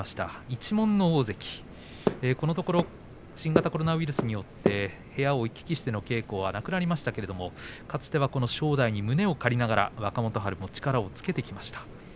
一門の大関、このところ新型コロナウイルスによって部屋を行き来しての稽古はなくなりましたけれどもかつてはこの正代に胸を借りながら若元春も力をつけてきました。